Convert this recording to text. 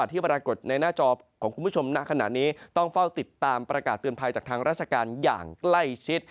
ที่ปรากฏในหน้าจอของคุณผู้ชมณขณะนี้ต้องเฝ้าติดตามประกาศเตือนภัยจากทางราชการอย่างใกล้ชิด